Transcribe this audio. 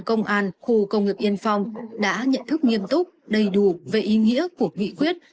công an khu công nghiệp yên phong đã nhận thức nghiêm túc đầy đủ về ý nghĩa của nghị quyết